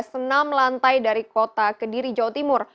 senam lantai dari kota kediri jawa timur